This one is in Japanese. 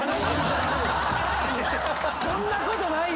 絶対そんなことない！